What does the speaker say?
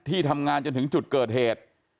ที่ทำงานจนถึงจุดเกิดเหตุ